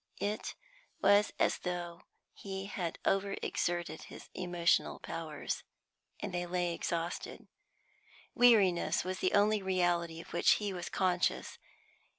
It was as though he had over exerted his emotional powers, and they lay exhausted. Weariness was the only reality of which he was conscious.